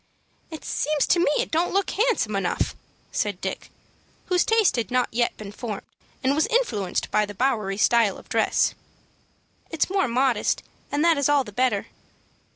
"It seems to me it don't look handsome enough," said Dick, whose taste had not yet been formed, and was influenced by the Bowery style of dress. "It's more modest, and that is all the better."